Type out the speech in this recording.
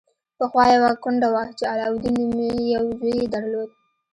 پخوا یوه کونډه وه چې علاوالدین نومې یو زوی یې درلود.